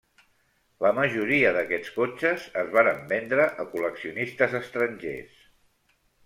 La majoria d'aquests cotxes es varen vendre a col·leccionistes estrangers.